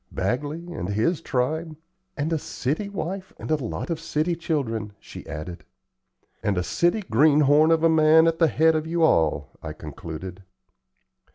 Bagley and his tribe " "And a city wife and a lot of city children," she added. "And a city greenhorn of a man at the head of you all," I concluded.